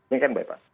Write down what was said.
ini kan baik pak